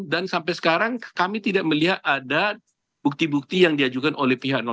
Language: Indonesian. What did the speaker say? dan sampai sekarang kami tidak melihat ada bukti bukti yang diajukan oleh pihak satu maupun nomor tiga